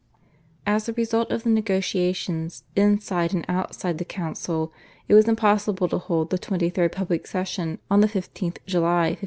As a result of the negotiations inside and outside the council it was possible to hold the 23rd public session on the 15th July 1563.